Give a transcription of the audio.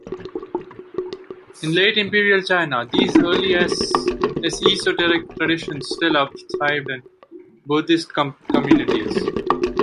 In late imperial China, these early esoteric traditions still thrived in Buddhist communities.